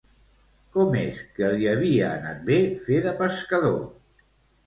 Com és que li havia anat bé fer de pescador?